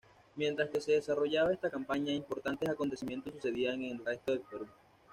Mientras que se desarrollaba esta campaña, importantes acontecimientos sucedían en el resto del Perú.